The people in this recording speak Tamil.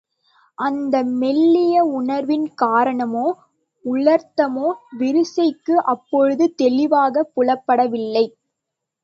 அந்த மெல்லிய உணர்வின் காரணமோ, உள்ளர்த்தமோ விரிசிகைக்கு அப்போது தெளிவாகப் புலப்படவில்லை.